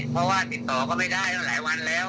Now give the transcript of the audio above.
เพราะว่าติดต่อก็ไม่ได้ตั้งหลายวันแล้ว